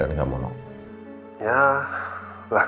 entities apaan yang kalah